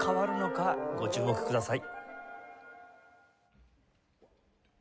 ご注目ください。